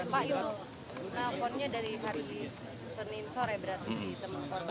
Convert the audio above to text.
pak itu teleponnya dari hari senin sore berarti teman teman itu